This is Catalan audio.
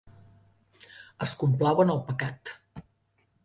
Es complau en el pecat.